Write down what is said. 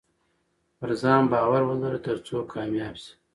پرځان باور ولره ترڅو کامياب سې